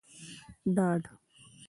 ډاډ